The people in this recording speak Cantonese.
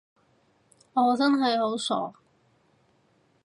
我真係好傻